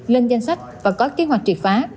lên danh sách và có kế hoạch trị phá